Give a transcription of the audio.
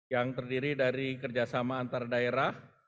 yang terdiri dari kerjasama antar daerah